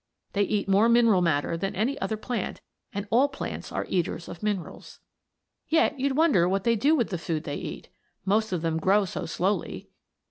They eat more mineral matter than any other plant, and all plants are eaters of minerals. Yet, you'd wonder what they do with the food they eat most of them grow so slowly.